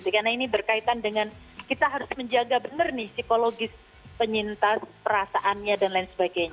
karena ini berkaitan dengan kita harus menjaga benar nih psikologis penyintas perasaannya dan lain sebagainya